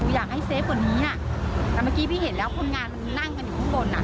อยากให้เซฟกว่านี้อ่ะแต่เมื่อกี้พี่เห็นแล้วคนงานมันนั่งกันอยู่ข้างบนอ่ะ